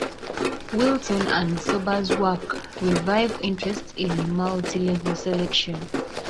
Wilson and Sober's work revived interest in multilevel selection.